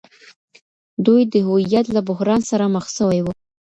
دوی د هويت له بحران سره مخ سوي وو.